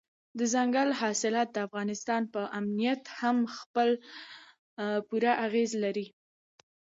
دځنګل حاصلات د افغانستان په امنیت هم خپل پوره اغېز لري.